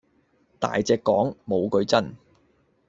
大隻講，無句真